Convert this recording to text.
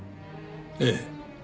ええ。